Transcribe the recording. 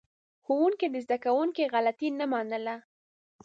ښوونکي د زده کوونکو غلطي نه منله.